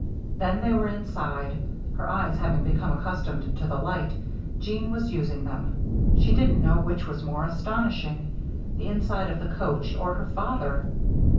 Then they were inside. Her eyes having become accustomed to the light, Jeanne was using them. She didn't know which was the more astonishing, the inside of the coach or her father.